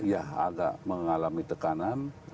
ya agak mengalami tekanan